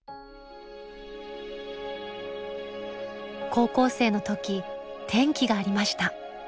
高校生の時転機がありました。